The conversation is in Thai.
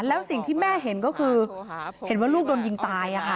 แล้วสิ่งที่แม่เห็นก็คือเห็นว่าลูกโดนยิงตาย